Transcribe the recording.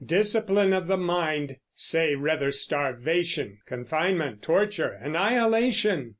Discipline of the mind! Say rather starvation, confinement, torture, annihilation!"